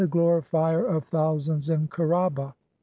3 3 9 "Glorifier of thousands in Kher aba.